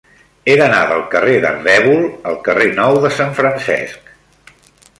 He d'anar del carrer d'Ardèvol al carrer Nou de Sant Francesc.